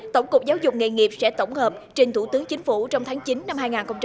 tổng cục giáo dục nghề nghiệp sẽ tổng hợp trên thủ tướng chính phủ trong tháng chín năm hai nghìn một mươi chín